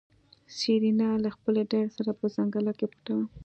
سېرېنا له خپلې ډلې سره په ځنګله کې پټه وه.